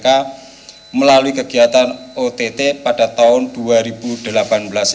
kepada semuanya sesuai pens